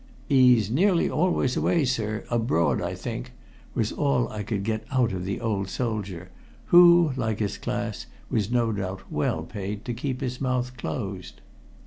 "'E's nearly always away, sir abroad, I think," was all I could get out of the old soldier, who, like his class, was no doubt well paid to keep his mouth closed.